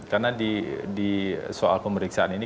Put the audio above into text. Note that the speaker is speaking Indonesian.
karena di soal pemeriksaan ini